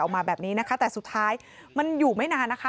ออกมาแบบนี้นะคะแต่สุดท้ายมันอยู่ไม่นานนะคะ